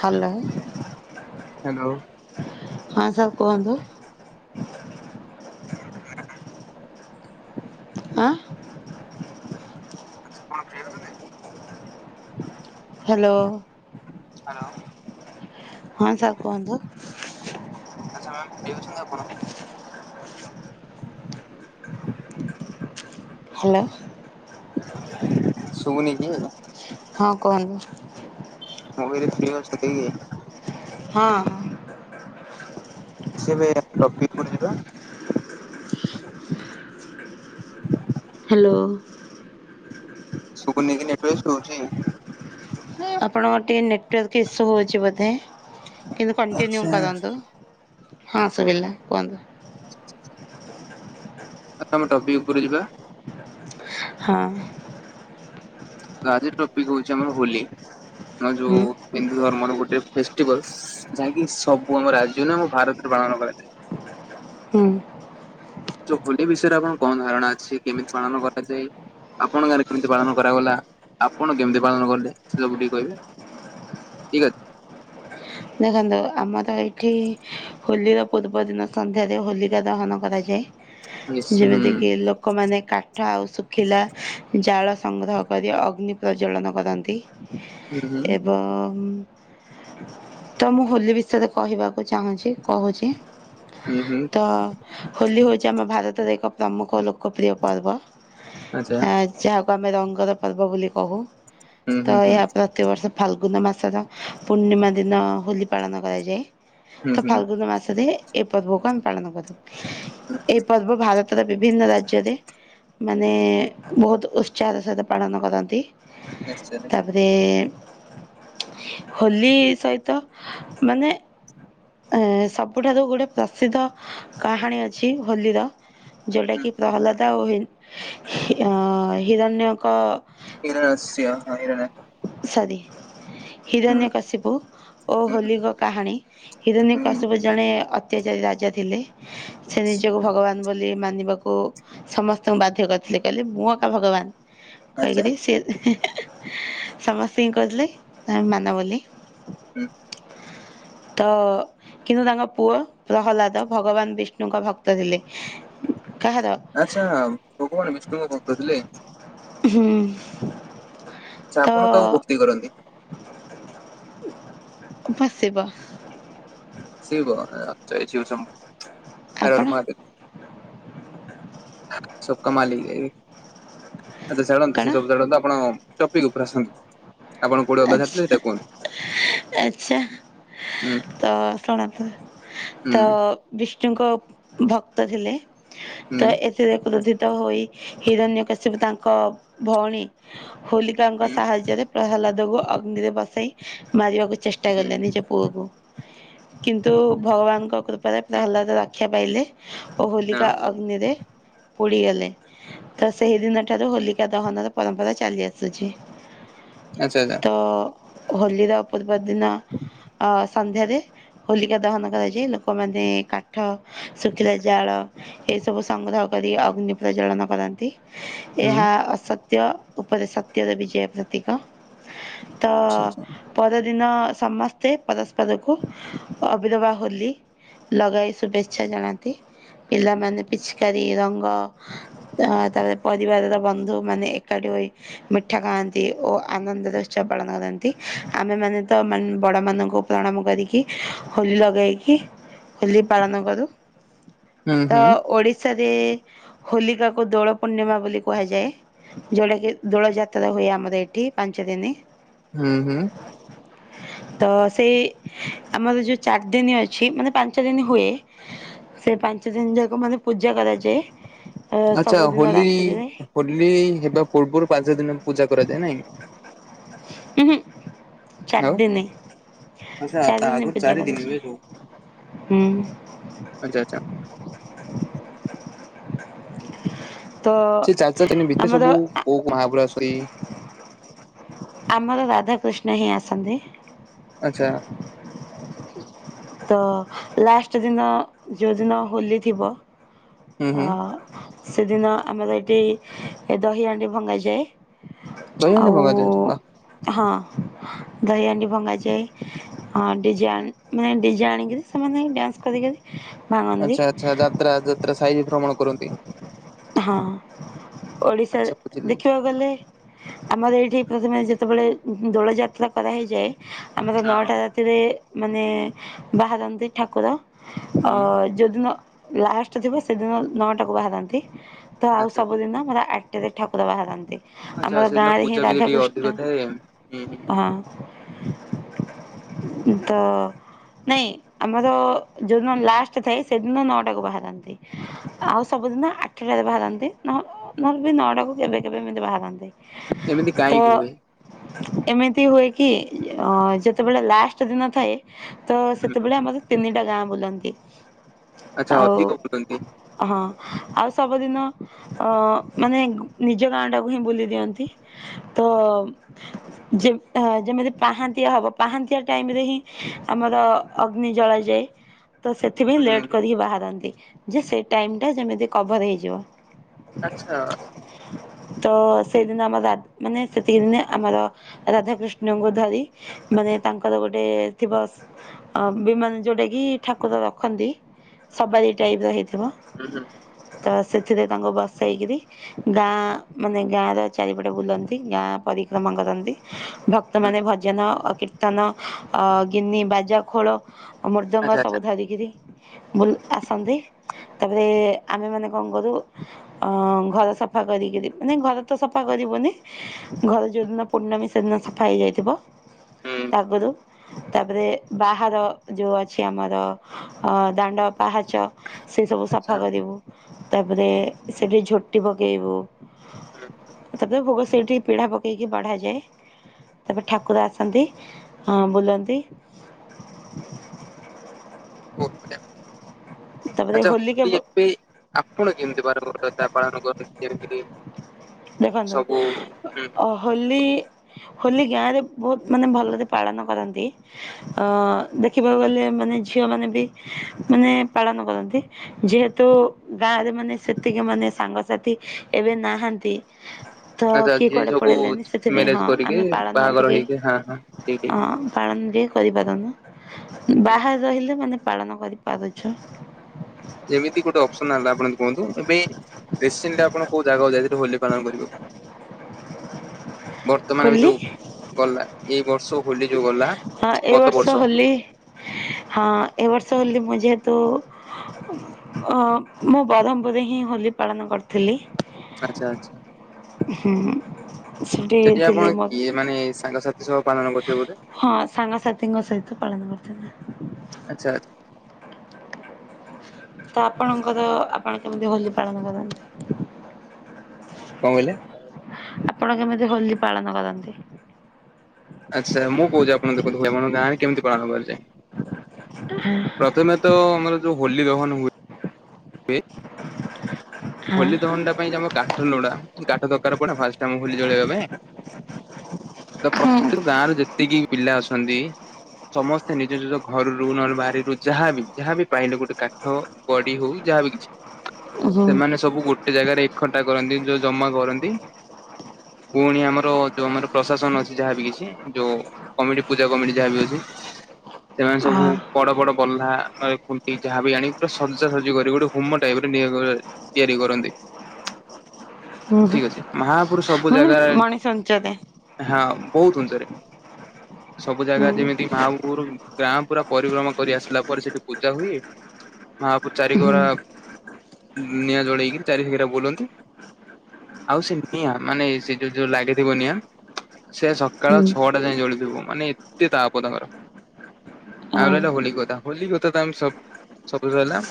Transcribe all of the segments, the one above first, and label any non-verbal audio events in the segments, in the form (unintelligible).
Hello. Hello. ହଁ sir କୁହନ୍ତୁ। (inaudible) ଆଃ ଆଜି କଣ ଫ୍ରି ଅଛନ୍ତି। ହ୍ୟାଲୋ। ହ୍ୟାଲୋ। ହଁ ସାର୍ କୁହନ୍ତୁ। ଆଚ୍ଛା ମ୍ୟାମ ଫ୍ରୀ ଅଛନ୍ତି ଆପଣ। ହ୍ୟାଲୋ। ଶୁଭୁନି କି? ହଁ, କହୁଗୁଁ ମୁଁ କହଲି, ଫ୍ରୀ ଅଛନ୍ତି କି? ହଁ, ହଁ। ସିଏ ଏବେ, ଟପିକୁଡ୍ ଯିବା। ହ୍ୟାଲୋ। ଶୁଭୁନିକି, ନେଟ୍ ୱର୍କ ଶୁଅଛି? ଆପଣଙ୍କ ଟିକେ ନେଟୱାର୍କ ଇସୁ ହଉଛି ବୋଧେ! କିନ୍ତୁ କଣ୍ଟିନ୍ୟୁ ଆଚ୍ଛା କରନ୍ତୁ। ହଁ, ଶୁଭିଲା କୁହନ୍ତୁ। (inaudible) ଆ ତମ ଟପି ଉପରୁ ଯିବା। ହଁ। ଆଜିର ଟପିକ୍ ହଉଛି ଆମର ହୋଲି। ଆ ଯୋଉ ହୁଁ ହିନ୍ଦୁ ଧର୍ମର ଗୋଟେ ଫେଷ୍ଟିଭାଲସ୍, ଯାହାକି ସବୁ ଆମ ରାଜ୍ୟ ନ ଆମ ଭାରତରେ ପାଳନ କରାଯାଏ। ହୁଁ ହୋଲି ବିଷୟରେ ଆପଣ କଣ ଧାରଣା ଅଛି, କେମିତି ପାଳନ କରାଯାଏ? ଆପଣ ଗାଁରେ କେମିତି ପାଳନ କରାଗଲା? ଆପଣ କେମିତି ପାଳନ କଲେ? ସେ ସବୁ ଟିକେ କହିବେ? ଠିକ୍ ଅ ଦେଖନ୍ତୁ, ଆମର ଏଇଠି ହୋଲିର ପୂର୍ବଦିନ ସନ୍ଧ୍ୟାରେ ହୋଲିକା ଦହନ କରାଯାଏ। ଯେମିତି କି ଲୋକମାନେ କା ଠ, ଆଉ ଶୁଖିଲା ଜାଳ ସଂଗ୍ରହ କରି, ଅଗ୍ନି ପ୍ରଜ୍ୱଳନ କରନ୍ତି। ହୁଁ ହୁଁ। ଏବଂ ତ, ମୁଁ ହୋଲି ବିଷୟରେ କହିବାକୁ ଚାହୁଁଛି! କହୁଛି ଉଁ, ହୁଁ। ଅ ହୋଲି ହେଉଛି, ଆମ ଭାରତର ଏକ ପ୍ରମୁଖ ଲୋକପ୍ରିୟ ପର୍ବ। ଆଚ୍ଛା ଆଜ୍ ଯାହାକୁ ଆମେ ରଙ୍ଗର ପର୍ବ ବୋଲି କହୁ। ହୁଁ ହୁଁ ତ ହୁଁ ଏହା ପ୍ରତ୍ ତି ବର୍ଷ ଫାଲଗୁନ୍ ମାସର ପୂର୍ଣ୍ଣିମା ଦିନ ହୋଲି ପାଳନ କରାଯାଏ। ହୁଁ ତ ହୁଁ ଫାଲଗୁନ୍ ମାସରେ ଏ ପର୍ବକୁ ଆମେ ପାଳନ କରୁ। ଏ ପର୍ବ ଭାରତ ତର ବିଭିନ୍ନ ରାଜ୍ୟରେ ମାନେ, ବହୁତ ଉତ୍ସାହର ସହିତ ପାଳନ କରନ୍ତି। ନିଶ୍ଚନି। ରେ-ଏଁ ହୋଲି ସହିତ ମାନେ ଏଁ ସବୁଠାରୁ ଗୋଟେ ପ୍ରସିଦ୍ଧ କାହାଣୀ ଅଛି ହୋଲିର! ଯୋଉଟା କି ପ୍ରହ୍ଲାଦ ଆଉ ହିନ୍ ଅଁ-ଅ ହିରଣ୍ୟକ ହିରଣଶ୍ୟ, ହଁ ହିରଣେ ସରି! ହୁଁ ହିରଣ୍ୟ କାଶ୍ୟପୁ ଓ ହୁଁ ହୋଲିକକ୍ କାହାଣୀ, ହିରଣ୍ୟ ହୁଁ ହୁଁ କଶ୍ୟପ ଜଣେ ଅତ୍ୟାଚାରୀ ରାଜା ଥିଲେ। ସେ ନିଜକୁ ଭଗବାନ ବୋଲି ମାନିବାକୁ ସମସ୍ତଙ୍କୁ ବାଧ୍ୟ କରିଥିଲେ। କହିଲେ ମୁଁ ଏକା ଭଗବାନ ଆଚ୍ଛା କହିକରି ସିଏ ସମସ୍ତିଙ୍କି, କହୁଥିଲେ ତମେ ମାନ ବୋଲି। ହୁଁ। ତ-ଅ କିନ୍ତୁ, ତାଙ୍କ ପୁଅ ପ୍ରହ୍ଲାଦ ଭଗବାନ ବିଷ୍ଣୁଙ୍କ ଭକ୍ତ ଥିଲେ। କାହାର ଆଛା, ଭଗବାନ ବିଷ୍ଣୁଙ୍କ ଭକ୍ତ ଥିଲେ। ହୁଁ। ଚା ଆପଣ କାହାକୁ ଭକ୍ତି କରନ୍ତି? ବାସିବ। ଆପଣ (inaudible) ସବକା ମାଲିକ ଏକ ଆଛା ସେସବୁ କଣ ସବୁ ଛାଡନ୍ତୁ ଆପଣ? ଟପିକ ଉପରେ ଆସନ୍ତୁ। ଆପଣ କୋଉଠି ଅଧା ଛାଡ଼ିଥିଲେ ସେଇଟା କୁହନ୍ତୁ। ଆଚ୍ଛା। ହୁଁ ତ ଶୁଣ ତ ହୁଁ ବିଷ୍ଣୁଙ୍କ ଭକ୍ତ ଥିଲେ। ହୁଁ ତ ଏ ଏଥିରେ କ୍ରୋଧିତ ହୋଇ ହିରଣ୍ୟକଶିପ୍ୟୁ ତାଙ୍କ ଭଉଣୀ ହୋଲି ତାଙ୍କ ହୁଁ ସାହାଯ୍ୟରେ ପ୍ରହ୍ଲାଦକୁ ଅଗ୍ନିରେ ବସାଇ ମାରିବାକୁ ଚେଷ୍ଟା ହୁଁ କଲେ ନିଜ ପୁ ପୁଅକୁ କିନ୍ତୁ ଭଗବାନଙ୍କ କୃପାରେ ହୁଁ ପ୍ରହ୍ଲାଦ ରକ୍ଷା ପାଇଲେ। ଓ ହଁ ହୋଲିକା ଅଗ୍ନିରେ ପୋଡ଼ିଗଲେ। ତ ସେହିଦିନ ଠାରୁ ହୋଲିକା ଦହନର ପରମ୍ପରା ଚାଲି ଆସୁଛି। ଆଛା ଆଛା। ଓ ହୋଲିର ପୂର୍ବ ଦିନ ଅ ସନ୍ଧ୍ୟାରେ ହୋଲିକା ଦହନ କରାଯାଏ ଲୋକମାନେ କାଠ, ଶୁଖିଲା ଜାଳ, ଏସବୁ ସଂଗ୍ରହ କରି ଅଗ୍ନି ପ୍ରଜ୍ଳନ କରନ୍ତି। ହୁଁ ଏହା ଅସ ଅସତ୍ୟ ଉପରେ ସତ୍ୟର ବିଜୟ ପ୍ରତୀକ ତ ଆଚ୍ଛା ଆଚ୍ଛା ପରଦିନ ସମସ୍ତେ ପରସ୍ପରକୁ ଅବିରବା ହୋଲି ଲଗାଇ ଶୁଭେଚ୍ଛା ଜଣାନ୍ତି। ପିଲାମାନେ ପିଚକାରୀ, ରଙ୍ଗ, ଅ ତାପରେ ପରିବାରର ବନ୍ଧୁ ମାନେ ଏକାଠି ହୋଇ ମିଠା ଖାଆନ୍ତି। ଆନନ୍ଦର ଉତ୍ସବ ପାଳନ କରନ୍ତି, ଆମେମାନେ ତାନେ ବଡ଼ମାନଙ୍କୁ ପ୍ରଣାମ କରିକି। ହୋଲି ଲଗେଇକି ହୋଲି ପାଳନ କରୁ। ହୁଁ ତ ହୁଁ ଓଡ଼ି ରେ ହୋଲିକାକୁ ଦୋଳ ପୂର୍ଣ୍ଣିମା ବୋଲି କୁହାଯାଏ। ଯୋଉଟା କିି ଦୋଳ ଯାତ୍ରା ହୁଏ ଆମର ଏଇଠି ପାଞ୍ଚ ଦିନ। ହୁଁ ହୁଁ। ତ ସେଇ ଆମର ଯୋଉ ଚାରି ଦିନ ଅଛି ମାନେ ପାଞ୍ଚ ଦିନ ହୁଏ। ସେ ପାଞ୍ଚ ଦିନ ଯାକ ମାନେ ପୂଜା କରାଯାଏ। ଆଚ୍ଛା ସବୁଦିନ ହୋଲି ରାତିରେ ହୋଲି ହେବା ପୂର୍ବରୁ ପାଞ୍ଚ ଦିନ ପୂଜା କରାଯାଏ ନାଇଁ। ଉଁ ହୁଁ ଆଉ ଚାରଦିନି। ଆଚ୍ଛା ତା ଚାରି ଦିନ ଆଗରୁ ପୂଜା ଚାରି ଦିନ ହୁଏ ସବୁ କରାଯାଏ। ହୁଁ। ଆଚ୍ଛା ଆଚ୍ଛା (unintelligible) ତ ସେ ଚାରି ଚାରି ଦିନ ଭିତରେ ଆମର ସବୁ କୋଉ ମହାବଳାଶୁରି ଆମର ରାଧାକୃଷ୍ଣ ହିଁ ଆସନ୍ତି। ଆଚ୍ଛା। ତ ଲାଷ୍ଟ ଦିନ ଯୋଉ ଦିନ ହୋଲି ଥିବ? ହୁଁ ହୁଁ ଅ ସେଦିନ ଆମର ଏଇଠି ଦହି ହାଣ୍ଡି ଭଙ୍ଗାଯାଏ। ଦହିହାଣ୍ଡି ଆଉ ମଗାଯାଏ ବା ହଁ ଦହିହାଣ୍ଡି ଭଙ୍ଗାଯାଏ। ଆଉ ଡିଜାଇ ମାନେ ଡିଜାଇନ୍ ଆଣିକିରି ସେମାନେ ଡ୍ୟାନ୍ସ କରିକରି ଆଚ୍ଛା ଆଚ୍ଛା ଯାତ୍ରା ଯାତ୍ରା ସାଇ ଭ୍ରମଣ କରନ୍ତି। ହଁ, ଓଡ଼ିଶାରେ ଆଚ୍ଛା ବୁଝିଲି ବୁଝିଲି ଦେଖିବାକୁ ଗଲେ ଆମର ଏଇଠି ପ୍ରଥମେ ଯେତେବେଳେ ଦୋଳ ଯାତ୍ରା କରାହେଇଯାଏ ଆମର ହଁ ନଅଟା ଯ ତିରେ ମାନେ ବାହାରନ୍ତି ଠାକୁର ଅ ହୁଁ ଯୋଉଦିନ ଲାଷ୍ଟ୍ ଥିବ ସେଦିନ ନଅଟାକୁୁ ବାହାରନ୍ତି ତ ଆଉ ଆଚ୍ଛା ଆଚ୍ଛା ସବୁଦିନ ପୁରା ଆ ରାତିରେ ଠାକୁର ବାହାରନ୍ତି ଆଚ୍ଛା ଆମର ସେଦିନ ଗାଁ ରେ ପୂଜା ହିଁ ବି ଟିକେ ଅଧିକ ରାଧାକୃଷ୍ଣ ଥାଏ ହୁଁ ହୁଁ ହଁ ତ ନାଇଁ। ଆମର ଯୋଉଦିନ ଲାଷ୍ଟ୍ ଥାଏ ସେଦିନ ନଅ ଟାକୁୁ ବାହାରନ୍ତି ଆଉ ସବୁଦିନ ଆଠ୍ ଆଠଟାରେ ବାହାରନ୍ତି ନ -ନହଲେ ବି ନଅଟାକୁ କେବେ କେବେ ଏମିତି ବାହାରନ୍ତି। ଏମିତି କାହିଁକି ତ ହୁଏ? ଏମିତି ହୁଏ କି ଅ- ଯେତେବେଳେ ଲାଷ୍ଟ୍ ଦିନ ଥାଏ ତ ସେତେବେଳେ ଆମର ତିନିଟା ଗାଁ ବୁଲନ୍ତି। ଆଚ୍ଛା ଆଉ ଅଧିକ ବୁଲନ୍ତି? ହଁ ଆଉ ସବୁଦିନ ଅ- ମାନେ ନିଜ ଗାଁ ଟାକୁ ହିଁ ବୁଲି ଦିଅନ୍ତି। ତ- ଯେ- ଯେମିତି ପାହାନ୍ତିଆ ହବ ପାହାନ୍ତିଆ ଟାଇମ୍ ରେ ହିଁ ଆମର ଅଗ୍ନି ଜଳାଯାଏ। ତ ସେଥିପାଇଁ ହୁଁ ହୁଁ ଲେଟ୍ କରିକି ବାହାରନ୍ତି ଯେ ସେ ଟାଇମ୍ ଟା ଯେମିତି କଭର୍ ହେଇଯିବ। ଆଚ୍ଛା। ତ ସେଇଦିନ ଆମ-ରା- ମାନେ ସେତିକି ଦିନେ ଆମର ରାଧା କୃଷ୍ଣଙ୍କୁ ଧରି ମାନେ ତାଙ୍କର ଗୋଟେ ଥିବ ଅ- ବିମାନ ଯଉଟା କି ଠାକୁର ରଖନ୍ତି ହୁଁ ସବାରି ହୁଁ ଟାଇପ୍ ର ହେଇଥିବ ହୁଁ ତ ସେଥିରେ ତାଙ୍କୁ ବସେଇ କିରି ଗାଁ ମାନେ ଗାଁ ର ଚାରିପଟେ ବୁଲନ୍ତି ଗାଁ ପରିକ୍ରମା କରନ୍ତି ଭ ହୁଁ ସେମାନେ ଭଜନ, କୀର୍ତ୍ତନ, ଅ- ଗିନି, ବାଜା, ଖୋଳ ଓ ମୃଦଙ୍ଗ ଆଚ୍ଛା ଆଚ୍ଛା ସବୁ ଧରିକିରି ବୁ- ଆସନ୍ତି। ତାପରେ ଆମେ ମାନେ କଣ କରୁ ଅ- ଘର ସଫା କରିକିରି ମାନେ ଘର ତ ସଫା କରିବନି ଘରେ ଯଉଦିନ ପୂର୍ଣ୍ଣମୀ ସେଦିନ ସଫା ହେଇ ଯାଇଥିବ ହୁଁ ତା ଆଗୁରୁ। ତାପରେ ବାହାର ଯଉ ଅଛି ଆମର ଅ -ଦାଣ୍ଡ ପାହାଚ ସେଇ ସବୁ ଆଚ୍ଛା ସଫା କରିବୁ ତାପରେ ସେଠି ଝୋଟି ପକେଇବୁ ହୁଁ ତାପରେ ଭୋଗ ସେଇଠି ପିଢା ପକେଇକି ବାଢାଯାଏ। ତାପରେ ଠାକୁର ଆସନ୍ତି ହଁ ବୁଲନ୍ତି ବହୁତ୍ ବଢିଆ। ତାପରେ ଆଚ୍ଛା ହୋଲି କେବ ଏବେ ଆପଣ କେମିତି (unintelligible) ପାଳନ କରନ୍ତି ଯେମତିକି ଦେଖନ୍ତୁ ସବୁ ହୁଁ। ଅ ହୋଲି- ହୋଲି ଗାଁରେ ବହୁତ୍ ମାନେ ଭଲରେ ପାଳନ କରନ୍ତି। ଅ -ଦେଖିବାକୁ ଗଲେ ମାନେ ଝିଅ ମାନେ ବି ମାନେ ପାଳନ କରନ୍ତି ଯେହେତୁ ଗାଁରେ ମାନେ ସେତିକି ମାନେ ସାଙ୍ଗସାଥି ଏବେ ନାହାନ୍ତି ତ ଆଚ୍ଛା କିଏ ଯିଏ କୁଆଡେ ସବୁ ପଳେଇଲେନି ସେଥିପାଇଁ ମ୍ୟାରେଜ ହଁ- କରିକି ଆମେ ପାଳନ ବାହାଘର ଟିକେ ହେଇକି ହଁ ହଁ ଠିକ ଅ ଅଁ -ପାଳନ ଟିକେ କରିପାରୁନୁ ହୁଁ ବାହାରେ ରହିଲେ ମାନେ ପାଳନ କରିପାରୁଚୁ। ଯେମିତି ଗୋଟେ ଅପ୍ସନ୍ ହେଲା ଆପଣ ମାନେ କୁହନ୍ତୁ ଏବେ ରିସିଣ୍ଟି୍ଲ୍ ଆପଣ କୋଉ ଜାଗାକୁ ଯାଇଥିଲେ ହୋଲି ପାଳନ କରିବାକୁ? ବର୍ତ୍ତମାନ ଏବେ ହୋଲି ଯଉ ଗଲା ଏଇ ବର୍ଷ ହୋଲି ଯୋଉ ଗଲା ହଁ ଏଇ ବର୍ଷ ହୋଲି ହଁ ଏ ବର୍ଷ ହୋଲି ମୁଁ ଯେହେତୁ ଅ -ମୁଁ ବ୍ରହ୍ମପୁର ହିଁ ହୋଲି ପାଳନ କରି ଥିଲି ଆଚ୍ଛା ଆଚ୍ଛା ହୁ ସେଠି ଆପଣ ଥିଲି ମ କିଏ ମାନେ ସାଙ୍ଗସାଥି ସହ ପାଳନ କରିଥିବେ ବୋଧେ ହଁ ସାଙ୍ଗସାଥିଙ୍କ ସହିତ ପାଳନ କରିଥିଲି। ଆଚ୍ଛା। ତ ଆପଣଙ୍କର ଆପଣ କେମିତି ହୋଲି ପାଳନ କରନ୍ତି? କଣ କହିଲେ। ଆପଣ କେମିତି ହୋଲି ପାଳନ କରନ୍ତି? ଆଚ୍ଛା ମୁଁ କୋହୁଚି ଆପଣ ଦେଖନ୍ତୁ ହୁଏ ଆମର ଗାଁରେ କେମିତି ପାଳନ କରାଯାଏ। ପ୍ରଥମେ ତ ଆମର ଯୋଉ ହୋଲି ଦହନ ହୁଏ ହୋଲି ଦହନଟା ପାଇଁ ଯେ ଆମ କାଠ ଲୋଡା କାଠ ଦରକାର ପଡେ ଫାଷ୍ଟେ ଆମର ହୋଲି ଚଳେଇବା ପାଇଁ। ତ ପ୍ରତ୍ୟକ ଗାଁରେ ଯେତିକି ପିଲା ଅଛନ୍ତି। ସମସ୍ତେ ନିଜ ନିଜ ଘରରୁ ନହେଲେ ବାରିରୁ ଯାହାବି ଯାହାବି ପାଇଲେ ଗୋଟେ କାଠ ପଡି ହୋଉ ଯାହାବ କିଛି ହୁଁ ସେମାନେ ସବୁ ଗୋଟେ ଜାଗାରେ ଏକଠା କରନ୍ତି ଯୋଉ ଜମା କରନ୍ତି। ପୁଣି ଆମର ଯୋଉ ଆମର ପ୍ରଶାସନ ଅଛି ଯାହାବି କିଛି ଯୋଉ କମିଟି ପୂଜା କମିଟି ଯାହା ବିି ଅଛି ସେମାନେ ଆ ସବୁ ବଡ ବଡ ବଲହା ନହଲେ ଖୁଣ୍ଟି ଯାହାବି ଆଣି ପୁରା ସଜାସଜି କରି ଗୋଟେ ପୁମା ଟାଇପରେ (unintelligible) ତିଆରି କରନ୍ତି ହୁଁ ହୁଁ ଠିକ ଅଛି ମହା ପୁରୁ ସବୁ ମାନେ ଜାଗାରେ ମଣିଷଞ୍ଚରେ ହଁ ବୋହୁତ ଉଞ୍ଚାରେ ସବୁ ଜାଗା ହୁଁ ଯେମିତି ମାହାପୁରୁ ଗାଁ ପୁରା ପରିକ୍ରମା କରି ଆସିଲା ପରେ ସେଠି ପୂଜା ହୁଏ ମହାପୁ ହୁଁ ଚାରିକୋଳା ନିଆଁ ଜଳେଇକିରି ଚାରିଘେରା ବୁଲନ୍ତି ଆଉ ସେ ନିଆଁ ମାନେ ସେଇଟା ଯୋଉ ଲାଗିଥିବ ନିଆଁ ସେ ସକାଳ ହୁଁ ଛଅଟା ଯାଏଁ ଜଳୁଥୁବ ମାନେ ଏତେ ତାଆପ ତହର। ଅ ଆଉ ରହିଲା ହୋଲି କଥା ହୋଲି କଥା ତ ଆମେ ସ ସବୁ ତ ହେଲା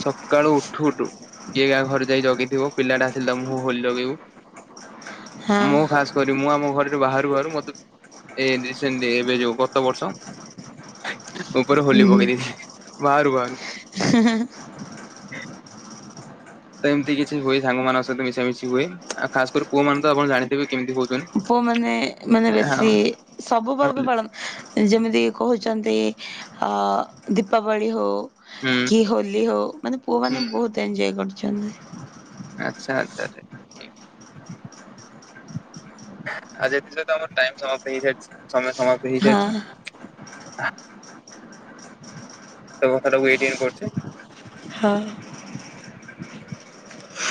ସକାଳୁ ଉଠୁ ଉଠୁ କିଏ କାହା ଘରେ ଯାଇ ଜଗିଥିବ ପିଲାଟା ଆସିଲେ ତା ମୁଁହକୁ ହୋଲି ଜଗେଇବୁ। ହଁ ମୁଁ ଖାସ୍ କରି ମୁଁ ଆମ ଘରରୁ ବାହାରୁ ବାହାରୁ ମତେ ଏ ରିସେଣ୍ଟେ ଏବେ ଯୋଉ ଗତ ବର୍ଷ ଉପରେ ହୋଲି ପକେଇଦେଇ ବାହାରୁ ବାହାରୁ ହାଁ ହାଁ ହାଁ। ତ ଏମତି କିଛି ହୁଏ ସାଙ୍ଗମାନଙ୍କ ସହିତ ମିଶାମିଶି ହୁଏ ଆଉ ଖାସ୍ କରି ପୁଅମାନେ ତ ଆପଣ ଜାଣିଥିବେ କେମିତି ହୋଉଚନ୍ତି। ପୁଅମାନେ ମାନେ ବେଶୀ ସବୁ ପର୍ବ ପାଳନ୍ ଯେମିତି କି କୋହୁଚନ୍ତି ଅ ଦୀପାବଳି ହୋଉ ହୁଁ କି ହୋଲି ହୋଉ ମାନେ ପୁଅ ମାନେ ବୋହୁତ ଏଞ୍ଜୟ କରୁଚନ୍ତି। ଆଚ୍ଛା ଆଚ୍ଛାରେ ଆ ଯଦି ଯଦି ତମର ଟାଇମ ସମାପ୍ତ ହେଇଯାଇଚି ସମୟ ସମାପ୍ତ ହେଇଯାଇଚି? ହଁ ଆ ତ କଥାଟାକୁ ଏଇଠି ଏଣ୍ଡ କରୁଚି। ହଁ।